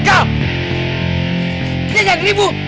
kita jangan dilibu